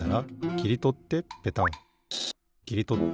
きりとってペタン。